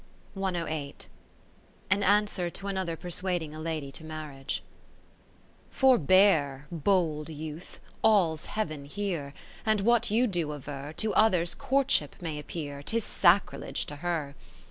An Answer to another per suading a Lady to Marriage I Forbear, bold Youth, all 's Heaven here. And what you do aver. To others courtship may appear, 'Tis sacrilege to her.